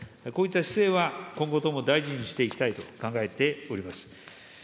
こういった姿勢は、今後とも大事にしていきたいと考えております。